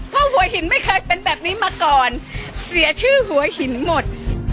เพราะหัวหินไม่เคยเป็นแบบนี้มาก่อนเสียชื่อหัวหินหมด